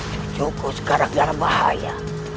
cucuku sekarang dalam bahaya